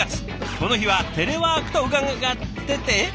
この日はテレワークと伺ってってえっ？